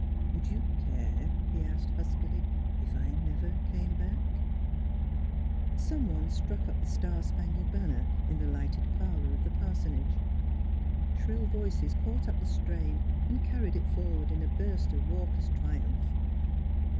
" Would you care," he asked huskily, " if I if I never came back? " Some one struck up the Star Spangled Banner in the lighted parlor of the parsonage; shrill voices caught up the strain and carried it forward 222 NEIGHBORS in a burst of raucous triumph.